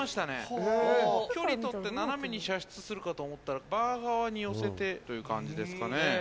距離取って斜めに射出するかと思ったらバー側に寄せてという感じですかね。